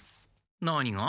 何が？